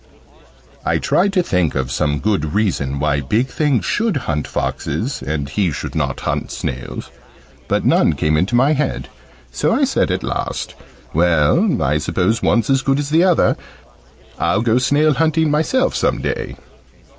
I tried to think of some good reason why "big things" should hunt foxes, and he should not hunt snails, but none came into my head: so I said at last, "Well, I suppose one's as good as the other. I'll go snail hunting myself some day."